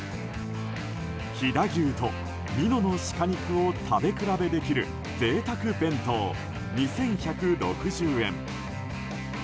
飛騨牛と美濃の鹿肉を食べ比べできる贅沢弁当２１６０円。